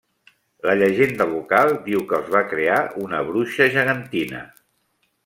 La llegenda local diu que els va crear una bruixa gegantina.